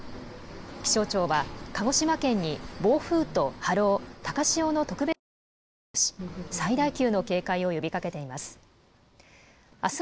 気象庁は鹿児島県に暴風と波浪、高潮の特別警報を発表し、最大級の警戒を呼びかけています。